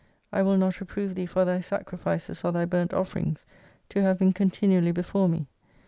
I will not reprove thee for thy sacrifices or thy burnt offerings, to have been continually before me.